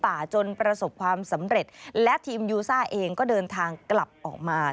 จนประสบความสำเร็จและทีมยูซ่าเองก็เดินทางกลับออกมา